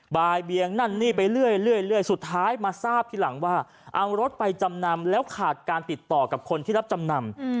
บายเบียงนั่นนี่ไปเรื่อยสุดท้ายมาทราบทีหลังว่าเอารถไปจำนำแล้วขาดการติดต่อกับคนที่รับจำนำ